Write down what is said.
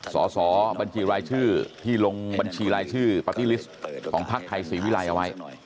สอสอบัญชีรายชื่อที่ลงบัญชีรายชื่อปาร์ตี้ลิสต์ของพักไทยศรีวิรัยเอาไว้